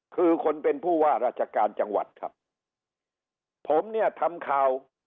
คือคนเป็นผู้ว่าราชการจังหวัดครับผมเนี่ยทำข่าว